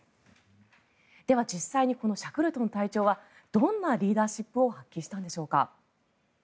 実際にこのシャクルトン隊長はどんなリーダーシップを発揮したんでしょうか。